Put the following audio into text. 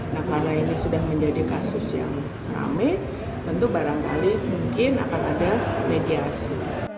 nah karena ini sudah menjadi kasus yang rame tentu barangkali mungkin akan ada mediasi